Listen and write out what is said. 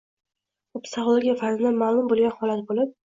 Bu psixologiya fanida ma’lum bo‘lgan holat bo‘lib